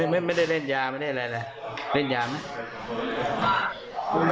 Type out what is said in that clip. ไม่ได้เล่นยาแล้วไม่ได้อะไรเล่นยาไม่เคย